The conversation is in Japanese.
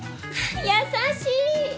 優しい！